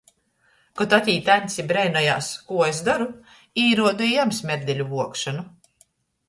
Kod atīt Aņds i breinojās, kū es doru, īruodu i jam smerdeļu vuokšonu.